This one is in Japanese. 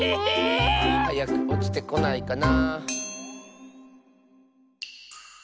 はやくおちてこないかな。